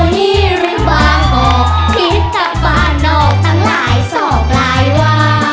นี่หรือบ้านออกพิษกับบ้านออกตั้งหลายสอบหลายวา